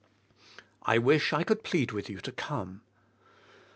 I wish I could plead with you to come.